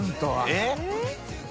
えっ？